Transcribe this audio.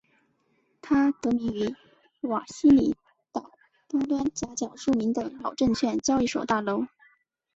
它得名于瓦西里岛东端岬角著名的老证券交易所大楼。